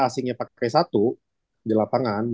asingnya pakai p satu di lapangan